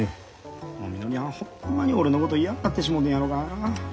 もうみのりはんホンマに俺のこと嫌になってしもうてんやろか。